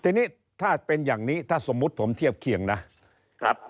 ทีนี้ถ้าเป็นอย่างนี้ถ้าสมมุติผมเทียบเคียงนะครับ